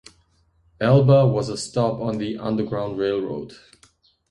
Elba was a stop on the Underground Railroad.